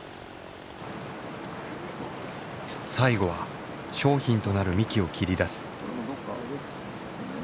最後は商品となる幹を切り出す。